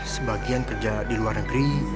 sebagian kerja di luar negeri